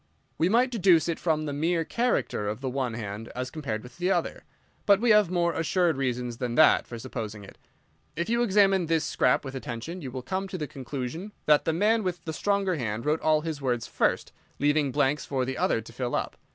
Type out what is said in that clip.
"We might deduce it from the mere character of the one hand as compared with the other. But we have more assured reasons than that for supposing it. If you examine this scrap with attention you will come to the conclusion that the man with the stronger hand wrote all his words first, leaving blanks for the other to fill up.